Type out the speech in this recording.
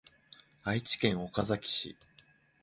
愛知県岡崎市